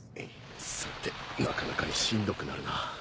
さてなかなかにしんどくなるな。